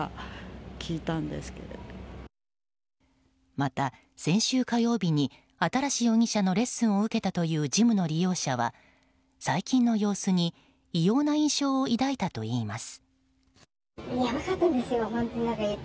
また、先週火曜日に新容疑者のレッスンを受けたというジムの利用者は、最近の様子に異様な印象を抱いたといいます。